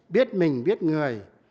biết mình biết người